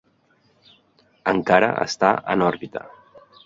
Encara està en òrbita.